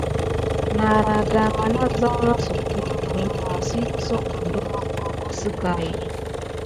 Nara dama nana perine ba si kusakane siga takà mis ne nane sickai.